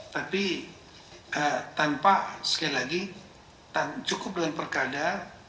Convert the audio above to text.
tapi tanpa sekali lagi cukup dengan perkada